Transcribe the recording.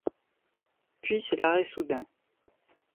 Puis c'est l'arrêt soudain.